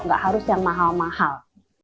nggak harus yang mahal mahal